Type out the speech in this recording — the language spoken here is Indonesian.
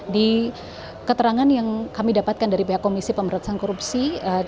di keterangan yang kami dapatkan dari pihak komisi pemerintahan korupsi